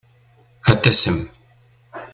Ad tasem.